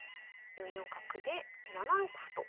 ４四角で７六歩と。